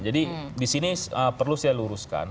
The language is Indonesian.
jadi disini perlu saya luruskan